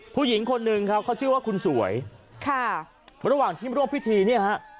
ผู้หญิงคนหนึ่งครับเขาชื่อว่าคุณสวยค่ะระหว่างที่ร่วมพิธีเนี่ยฮะ